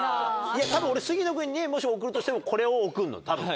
俺杉野君にもし送るとしてもこれを送るの多分。